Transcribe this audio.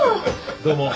どうも。